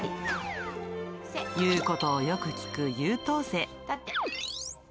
言うことをよく聞く優等生。